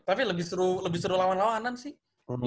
tapi lebih seru lebih seru lawan lawanan sih